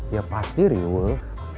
ya pasti riwuh